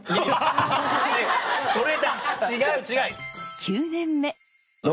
それだ違う違う！